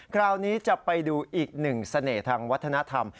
คราวนี้จะไปดูอีกหนึ่งเสน่ห์ทางวัฒนธรรม